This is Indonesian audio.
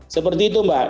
seperti itu mbak